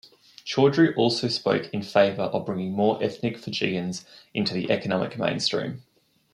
Chaudhry also spoke in favour of bringing more ethnic Fijians into the economic mainstream.